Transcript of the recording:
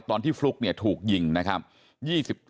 ตอนที่ฟลุ๊กเนี่ยถูกยิงนะครับ